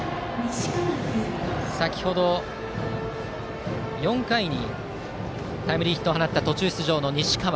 先程４回にタイムリーヒットを放った途中出場の西川。